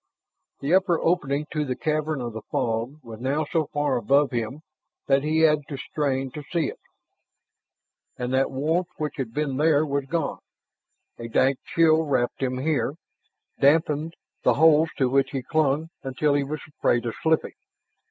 The upper opening to the cavern of the fog was now so far above him that he had to strain to see it. And that warmth which had been there was gone. A dank chill wrapped him here, dampened the holds to which he clung until he was afraid of slipping.